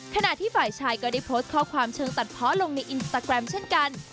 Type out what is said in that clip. ขณะที่ฝ่ายชายก็ได้โพสต์ข้อความเชิงตัดเพาะลงในอินสตาแกรมเช่นกัน